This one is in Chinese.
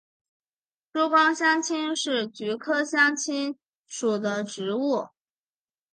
珠光香青是菊科香青属的植物。